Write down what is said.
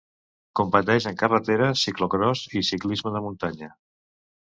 Competeix en carretera, ciclocròs i ciclisme de muntanya.